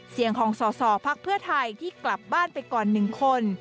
เสียงของสอสอพักเพื่อไทยที่กลับบ้านไปก่อน๑คน